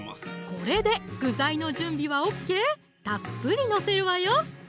これで具材の準備はＯＫたっぷり載せるわよ